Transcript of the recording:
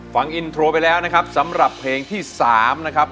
ฟังอินโทรไปแล้วนะครับสำหรับเพลงที่๓นะครับ